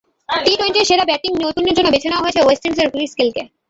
টি-টোয়েন্টির সেরা ব্যাটিং নৈপুণ্যের জন্য বেছে নেওয়া হয়েছে ওয়েস্ট ইন্ডিজের ক্রিস গেইলকে।